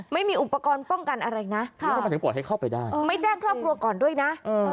ไม่มีอุปกรณ์ป้องกันอะไรนะไม่แจ้งครอบครัวก่อนด้วยนะ